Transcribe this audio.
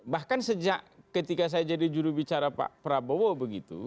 bahkan sejak ketika saya jadi jurubicara pak prabowo begitu